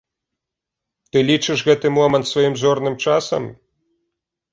Ты лічыш гэты момант сваім зорным часам?